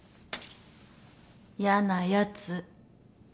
嫌なやつ。